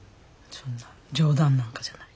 そんな冗談なんかじゃない。